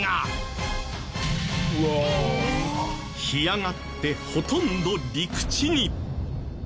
干上がってほとんど陸地に！